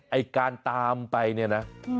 ไอ้การตามไปเนี่ยนะ